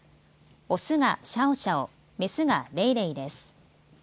オスがシャオシャオ、メスがレイレイです。